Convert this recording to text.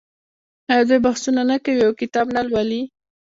آیا دوی بحثونه نه کوي او کتاب نه لوالي؟